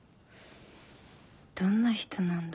どんな人なんだろ。